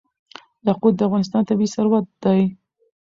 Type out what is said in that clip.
یاقوت د افغانستان طبعي ثروت دی.